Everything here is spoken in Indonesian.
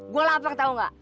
gue lapar tau gak